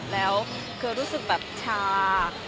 แล้วคือรู้สึกแบบชา